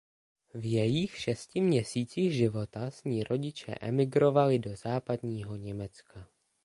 V jejích šesti měsících života s ní rodiče emigrovali do Západního Německa.